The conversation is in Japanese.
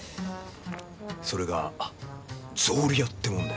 それが草履屋ってもんだよ。